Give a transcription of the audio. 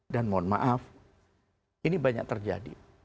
dan mohon maaf ini banyak terjadi